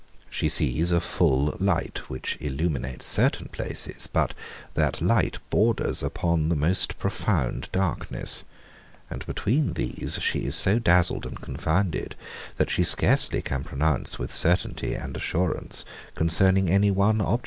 She sees a full light, which illuminates certain places; but that light borders upon the most profound darkness. And between these she is so dazzled and confounded, that she scarcely can pronounce with certainty and assurance concerning any one object.